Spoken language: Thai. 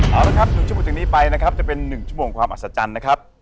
เอาละครับ๑ชั่วโมงจากนี้ไปนะครับจะเป็น๑ชั่วโมงความอัศจรรย์นะครับ